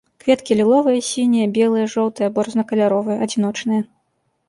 Кветкі ліловыя, сінія, белыя, жоўтыя або рознакаляровыя, адзіночныя.